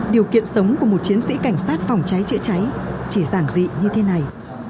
điều kiện sống của một chiến sĩ cảnh sát phòng trái trợi trái chỉ giản dị như thế này